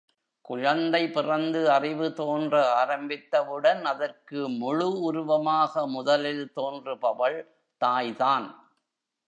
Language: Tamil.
குழந்தை பிறந்து அறிவு தோன்ற ஆரம்பித்தவுடன் அதற்கு முழு உருவமாக முதலில் தோன்றுபவள் தாய்தான்.